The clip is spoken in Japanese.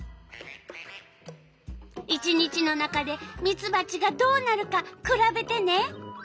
１日の中でミツバチがどうなるかくらべてね。